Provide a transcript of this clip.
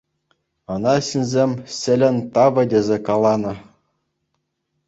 Ӑна ҫынсем Ҫӗлен тӑвӗ тесе каланӑ.